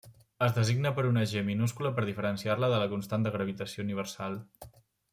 Es designa per una g minúscula per diferenciar-la de la constant de gravitació universal.